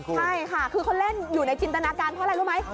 ใช่ค่ะคือเขาเล่นอยู่ในจินตนาการเพราะอะไรรู้ไหม